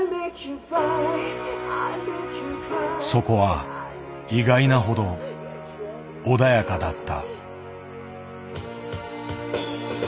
そこは意外なほど穏やかだった。